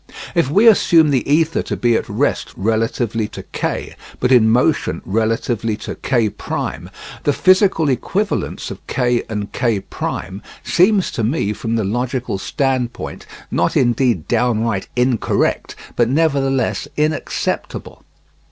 If we assume the ether to be at rest relatively to K, but in motion relatively to K', the physical equivalence of K and K' seems to me from the logical standpoint, not indeed downright incorrect, but nevertheless inacceptable.